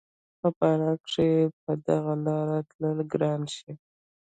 په باران کښې په دغه لاره تلل ګران شي